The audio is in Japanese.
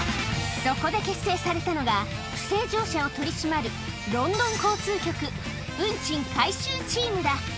そこで結成されたのが、不正乗車を取り締まるロンドン交通局運賃回収チームだ。